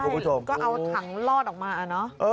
ก็เอาถังลอดออกมานะ